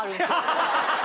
ハハハハ！